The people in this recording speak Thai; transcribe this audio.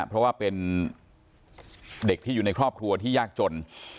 เพราะว่าเป็นเด็กที่อยู่ในครอบครัวที่ยากจน